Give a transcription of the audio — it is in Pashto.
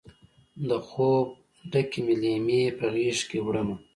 د خوب ډکې مې لیمې په غیږکې وړمه